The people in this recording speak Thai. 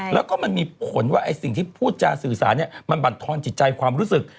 แล้วก็มันมีผลว่าไอ้สิ่งที่พูดจาสื่อสารเนี่ยมันบรรทอนจิตใจความรู้สึก